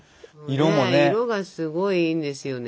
色がすごいいいんですよね。